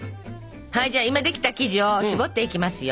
はいじゃあ今できた生地をしぼっていきますよ。